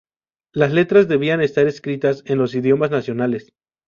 Las letras debían estar escritas en los idiomas nacionales.